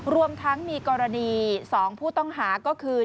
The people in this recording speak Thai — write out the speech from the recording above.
รวมทั้งมีกรณี๒ผู้ต้องหาก็คือ